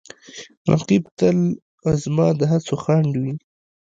رقیب تل زما د هڅو خنډ وي